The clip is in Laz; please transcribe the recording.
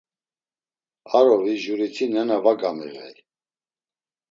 Arovi juriti nena va gamiğey.